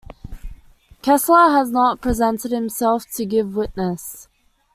Kessler has not presented himself to give witness.